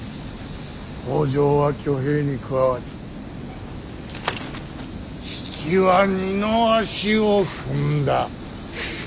北条は挙兵に加わり比企は二の足を踏んだ。